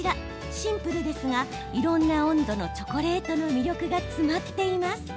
シンプルですがいろんな温度のチョコレートの魅力が詰まっています。